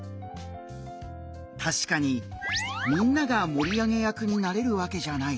確かにみんなが盛り上げ役になれるわけじゃない。